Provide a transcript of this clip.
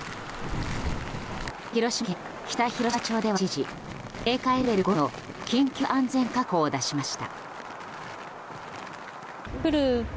広島県北広島町では、一時警戒レベル５の緊急安全確保を出しました。